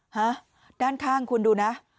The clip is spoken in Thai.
ฮะด้านข้างคุณดูนะ